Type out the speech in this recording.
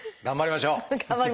頑張りましょう。